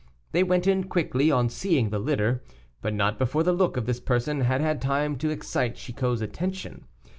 They went in quickly on seeing the litter, but not before the look of this person had had time to excite Chicot's attention.